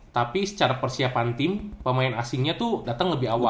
tapi secara persiapan tim pemain asingnya tuh datang lebih awal